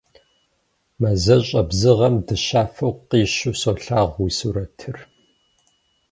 Мазэщӏэ бзыгъэм дыщафэу къищу солъагъу уи сурэтыр.